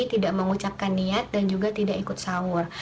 tidak mengucapkan niat dan juga tidak ikut sahur